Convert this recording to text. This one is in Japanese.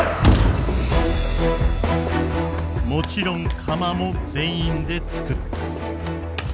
もちろん釜も全員でつくる。